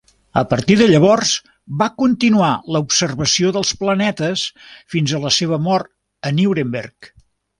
A partir de llavors, va continuar la observació dels planetes fins a la seva mort a Nuremberg.